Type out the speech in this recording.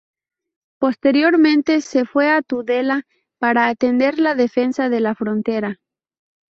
Posteriormente se fue a Tudela para atender la defensa de la frontera.